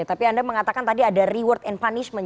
tapi anda mengatakan tadi ada reward and punishment